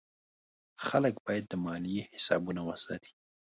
خلک باید د مالیې حسابونه وساتي.